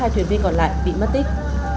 hai thuyền viên còn lại bị mất tích